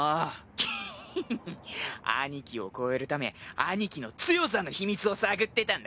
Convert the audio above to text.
きききっ兄貴を超えるため兄貴の強さの秘密を探ってたんだ！